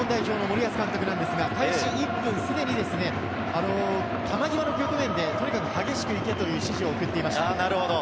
日本代表・森保監督ですが、開始１分すでに球際の局面で激しくいけという指示を送っていました。